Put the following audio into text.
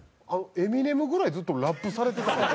エミネムぐらいずっとラップされてた。